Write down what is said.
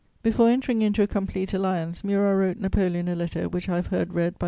Before entering into a complete alliance, Murat wrote Napoleon a letter which I have heard read by M.